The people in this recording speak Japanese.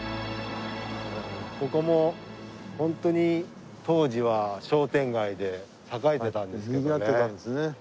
ここもホントに当時は商店街で栄えてたんですけどね。